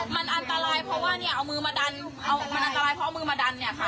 มันอัลตรายเพราะว่าเนี่ยเอามือมาดันเอามือมาดัน